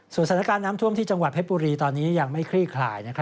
สถานการณ์น้ำท่วมที่จังหวัดเพชรบุรีตอนนี้ยังไม่คลี่คลาย